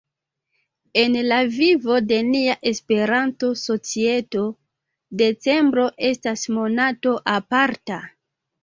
En la vivo de nia Esperanto-societo decembro estas monato aparta.